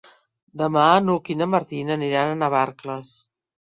Demà n'Hug i na Martina aniran a Navarcles.